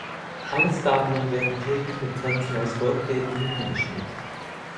Alle Statuen werden täglich mit Kränzen aus goldgelben Blüten geschmückt.